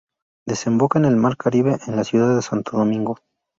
Desemboca en el mar Caribe, en la ciudad de Santo Domingo.